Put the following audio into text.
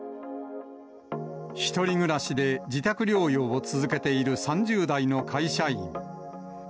１人暮らしで自宅療養を続けている３０代の会社員。